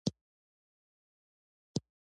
د ځینو لرګیو داخلي برخه قوي او باندنۍ نرمه وي.